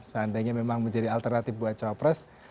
seandainya memang menjadi alternatif buat cawapres